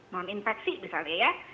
non infeksi misalnya ya